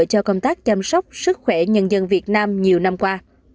cho công tác chăm sóc sức khỏe nhân dân việt nam nhiều năm qua